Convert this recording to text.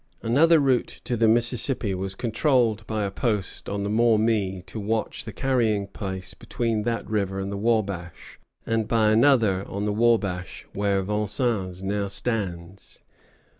Another route to the Mississippi was controlled by a post on the Maumee to watch the carrying place between that river and the Wabash, and by another on the Wabash where Vincennes now stands.